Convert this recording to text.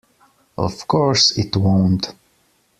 Of course it won't.